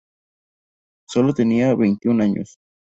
Sólo tenía veintiún años.